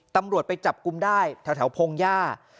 ตำรวจไปจับกุมได้แถวพงศ์ย่า